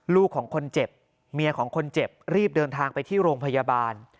ลูกของคนเจ็บเมียของคนเจ็บรีบเดินทางไปที่โรงพยาบาล